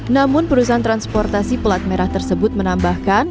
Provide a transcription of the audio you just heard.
namun perusahaan transportasi pelat merah tersebut menambahkan